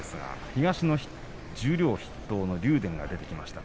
東の十両筆頭の竜電が出てきました。